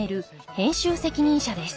編集責任者です。